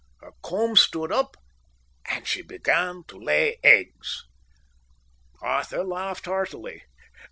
Her comb stood up, and she began again to lay eggs." Arthur laughed heartily.